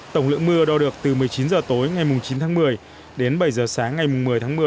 tổng lượng mưa đo được từ một mươi chín h tối ngày chín tháng một mươi đến bảy h sáng ngày một mươi tháng một mươi